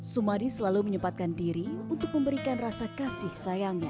sumadi selalu menyempatkan diri untuk memberikan rasa kasih sayangnya